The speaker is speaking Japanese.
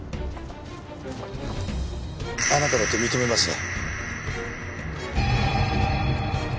あなただと認めますね？